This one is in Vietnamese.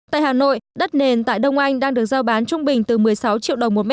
tại hà nội đất nền tại đông anh đang được giao bán trung bình từ một mươi sáu triệu đồng một m hai